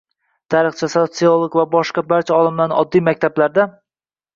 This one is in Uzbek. tarixchilar, sotsiologlar va boshqa barcha olimlarni; oddiy maktablarda